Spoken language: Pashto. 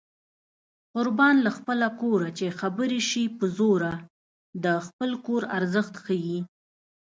قربان له خپله کوره چې خبرې شي په زوره د خپل کور ارزښت ښيي